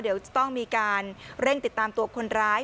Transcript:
เดี๋ยวจะต้องมีการเร่งติดตามตัวคนร้าย